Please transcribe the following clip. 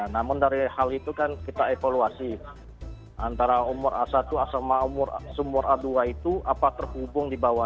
namun dari hal itu kan kita evaluasi antara umur a satu sama umur a dua itu apa terhubung di bawah